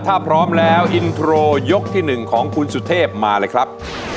ถ้าพร้อมแล้วอินโทรยกที่๑ของคุณสุเทพมาเลยครับ